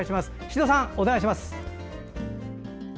宍戸さん、お願いします。